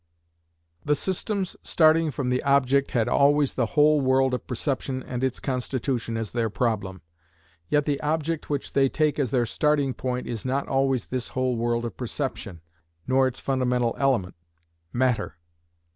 The systems starting from the object had always the whole world of perception and its constitution as their problem; yet the object which they take as their starting point is not always this whole world of perception, nor its fundamental element, matter.